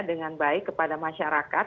dengan baik kepada masyarakat